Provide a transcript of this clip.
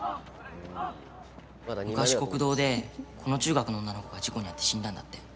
昔、国道でこの中学の女の子が事故に遭って死んだんだって。